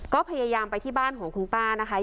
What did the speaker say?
ก็พยายามไปที่บ้านของคุณป้านะคะ